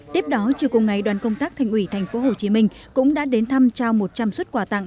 tiếp đó chiều cùng ngày đoàn công tác thành ủy tp hcm cũng đã đến thăm trao một trăm linh xuất quà tặng